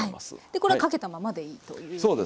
これかけたままでいいということで。